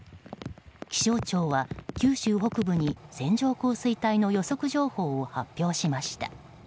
気象庁は九州北部に線状降水帯の予測情報を発表しました。